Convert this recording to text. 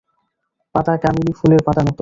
পাতা কামিনী ফুলের পাতার মত।